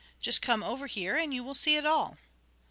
"Just come over here and you will see it all."